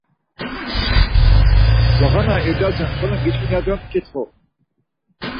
Zuğa na irdasen solen gaçkinen ya do mǩitxu.